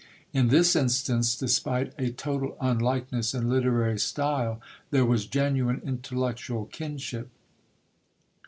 In this instance, despite a total unlikeness in literary style, there was genuine intellectual kinship.